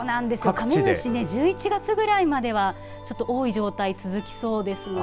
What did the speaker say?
カメムシね１１月ぐらいまではちょっと多い状態続きそうですので。